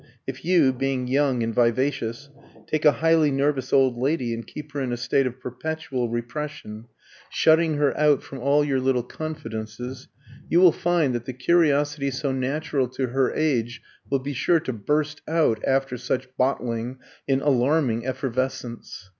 If you, being young and vivacious, take a highly nervous old lady and keep her in a state of perpetual repression, shutting her out from all your little confidences, you will find that the curiosity so natural to her age will be sure to burst out, after such bottling, in alarming effervescence.